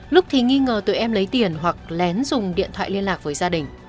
lúc thì nghi ngờ tụi em lấy tiền hoặc lén dùng điện thoại liên lạc với gia đình